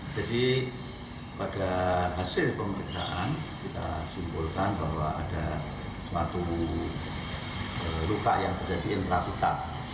jadi pada hasil pemeriksaan kita simpulkan bahwa ada suatu luka yang terjadi intrapita